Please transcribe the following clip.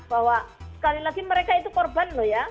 bahwa sekali lagi mereka itu korban loh ya